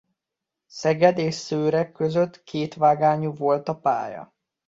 Szeged és Szőreg között kétvágányú volt a pálya.